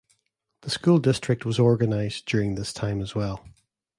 The school district was organized during this time as well.